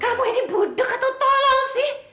kamu ini budek atau tolol sih